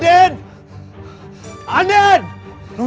tidak ada yang dateng